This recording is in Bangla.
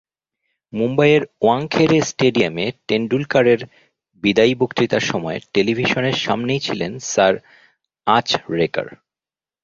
মুম্বাইয়ের ওয়াংখেড়ে স্টেডিয়ামে টেন্ডুলকারের বিদায়ী বক্তৃতার সময় টেলিভিশনের সামনেই ছিলেন স্যার আচরেকার।